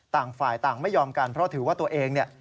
ต่างฝ่ายต่างไม่ยอมกันเพราะถือว่าตัวเองเนี่ย